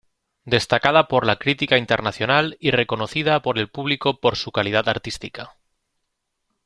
Destacada por la crítica internacional y reconocida por el público por su calidad artística.